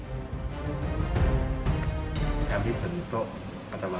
kita ambil bentuk kabel yang diambil dari kabupaten sleman